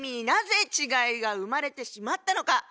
なぜ違いが生まれてしまったのか。